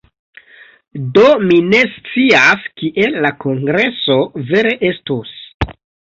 Do mi ne scias, kiel la kongreso vere estus.